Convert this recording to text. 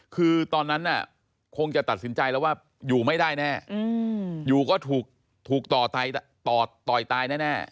คือตอนนั้นน่ะคงจะตัดสินใจแล้วว่าอยู่ไม่ได้แน่อืมอยู่ก็ถูกถูกต่อตายต่อต่อยตายแน่แน่